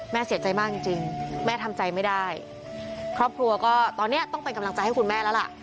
เสียใจมากจริงจริงแม่ทำใจไม่ได้ครอบครัวก็ตอนนี้ต้องเป็นกำลังใจให้คุณแม่แล้วล่ะ